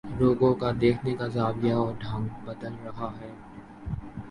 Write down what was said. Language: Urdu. لوگوں کا دیکھنے کا زاویہ اور ڈھنگ بدل رہا ہے